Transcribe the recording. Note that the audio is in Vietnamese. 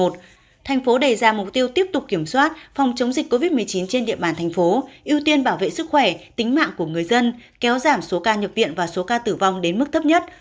thành phố đề ra mục tiêu tiếp tục kiểm soát phòng chống dịch covid một mươi chín trên địa bàn thành phố ưu tiên bảo vệ sức khỏe tính mạng của người dân kéo giảm số ca nhập viện và số ca tử vong đến mức thấp nhất